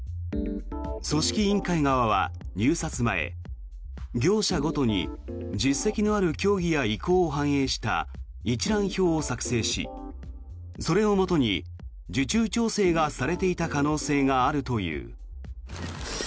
組織委員会側は、入札前業者ごとに実績のある競技や意向を反映した一覧表を作成し、それをもとに受注調整がされていた可能性があるという。